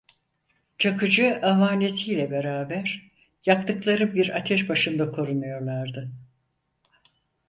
Çakıcı avenesiyle beraber, yaktıkları bir ateş başında kurunuyorlardı.